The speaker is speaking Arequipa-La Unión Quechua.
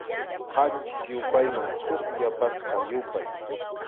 Qanchis yupayman huk yapasqa yupay.